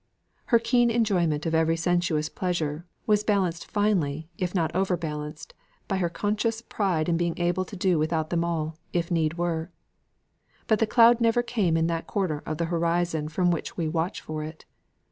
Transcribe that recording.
Her keen enjoyment of every sensuous pleasure was balanced finely, if not overbalanced, by her conscious pride in being able to do without them all, if need were. But the cloud never comes in that quarter of the horizon from which we watch for it.